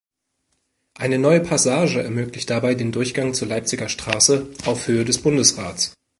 Eine neue Passage ermöglicht dabei den Durchgang zur Leipziger Straße auf Höhe des Bundesrats.